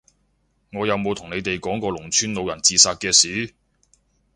我有冇同你哋講過農村老人自殺嘅事？